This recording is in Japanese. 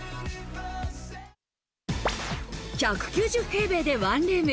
１９０平米にワンルーム。